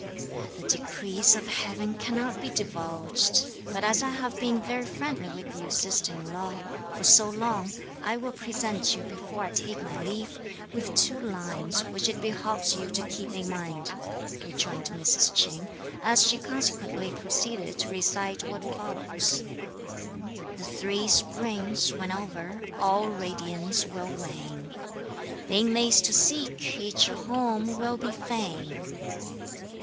"The decrees of Heaven cannot be divulged; but as I have been very friendly with you, sister in law, for so long, I will present you, before I take my leave, with two lines, which it behoves you to keep in mind," rejoined Mrs. Ch'in, as she consequently proceeded to recite what follows: The three springs, when over, all radiance will wane; The inmates to seek each a home will be fain.